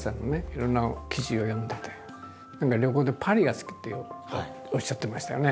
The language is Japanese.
いろんな記事を読んでて何か旅行でパリが好きっておっしゃってましたよね。